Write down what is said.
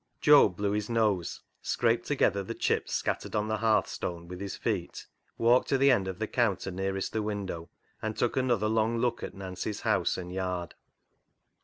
Job blew his nose, scraped together the chips scattered on the hearthstone with his feet, walked to the end of the counter nearest the window, and took another long look at Nancy's house and yard.